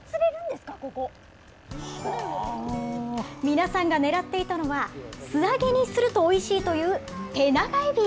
皆さんが狙っていたのは、素揚げにするとおいしいというテナガエビ。